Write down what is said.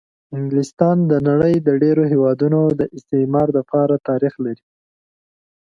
انګلستان د د نړۍ د ډېرو هېوادونو د استعمار دپاره تاریخ لري.